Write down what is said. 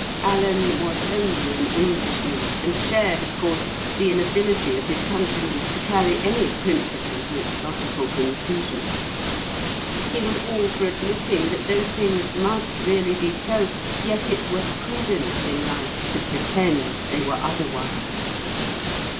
Alan was only an Englishman, and shared, of course, the inability of his countrymen to carry any principle to its logical conclusion. He was all for admitting that though things must really be so, yet it were prudent in life to pretend they were otherwise.